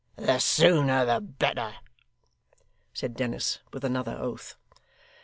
'The sooner the better,' said Dennis, with another oath.